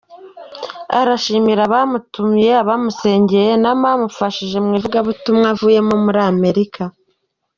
Arashimira abamutumiye, abamusengeye n’abamufashije mu ivugabutumwa avuyemo muri Amerika.